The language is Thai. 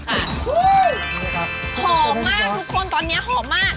หอมมากทุกคนตอนนี้หอมมาก